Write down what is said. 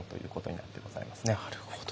なるほど。